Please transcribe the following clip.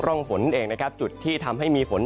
ร่องฝนนั่นเองนะครับจุดที่ทำให้มีฝน